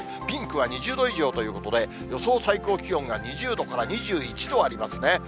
ピンクというのは２０度以上ということで、予想最高気温が２０度から２１度ありますね。